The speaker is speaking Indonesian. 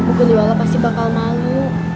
bu guliola pasti bakal malu